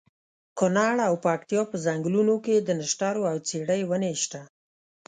کونړ او پکتیا په ځنګلونو کې د نښترو او څېړۍ ونې شته.